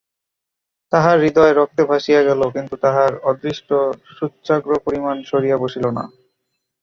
তাহার হৃদয় রক্তে ভাসিয়া গেল, কিন্তু তাহার অদৃষ্ট সুচ্যগ্রপরিমাণ সরিয়া বসিল না।